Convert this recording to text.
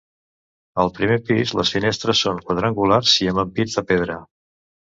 Al primer pis les finestres són quadrangulars i amb ampits de pedra.